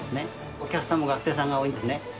お客さんも学生さんが多いんですね。